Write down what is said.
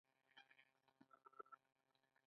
شکر ولې وزن زیاتوي؟